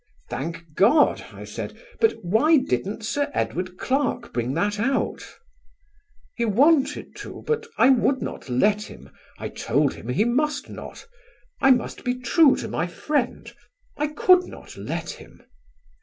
"Thank God," I said, "but why didn't Sir Edward Clarke bring that out?" "He wanted to; but I would not let him. I told him he must not. I must be true to my friend. I could not let him."